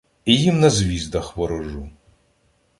І їм на звіздах ворожу: